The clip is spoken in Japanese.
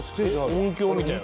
音響みたいな。